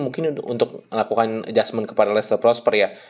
untuk lakukan adjustment kepada leicester prosper ya